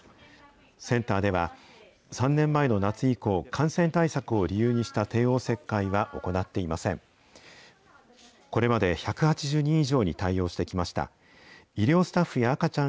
センターでは、３年前の夏以降、感染対策を理由にした帝王切開は行っていません。